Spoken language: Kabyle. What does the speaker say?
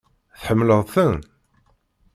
Tḥemmleḍ-ten?